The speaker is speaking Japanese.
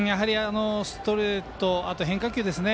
ストレートと変化球ですね。